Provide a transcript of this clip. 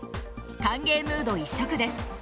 歓迎ムード一色です。